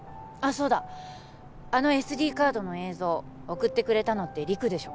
そうだあのＳＤカードの映像送ってくれたのって陸でしょ？